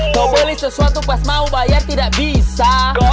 kau beli sesuatu pas mau bayar tidak bisa